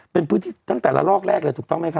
เป็นพื้นที่ตั้งแต่ละลอกแรกเลยถูกต้องไหมคะ